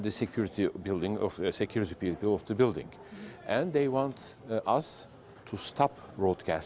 itu saja yang mereka katakan